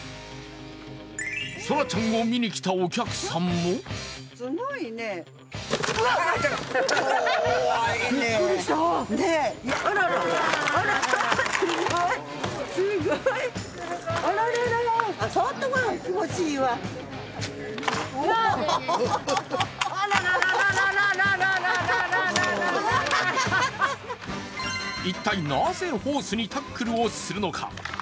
そらちゃんを見に来たお客さんも一体なぜホースにタックルをするのか。